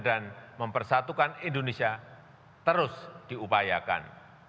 dan mempersatukan indonesia terus diupayakan